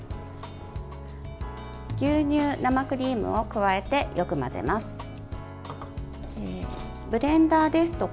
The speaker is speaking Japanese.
牛乳、生クリームを加えてよく混ぜます。